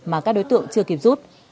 mà các đối tượng chưa kịp rút